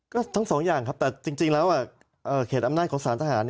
ก็ทั้งสองอย่างครับแต่จริงแล้วเขตอำนาจของสารทหาร